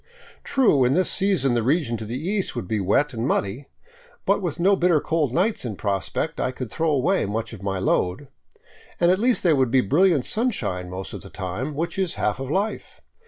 True, in this season the region to the east would be wet and muddy, but with no bitter cold nights in prospect I could throw away much of my load, and at least there would be brilHant sunshine most of the time, which is half of life.